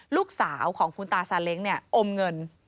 ลูกสาวของคุณตาซาเล้งเนี่ยอมเงิน